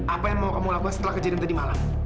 apa yang mau kamu lakukan setelah kejadian tadi malam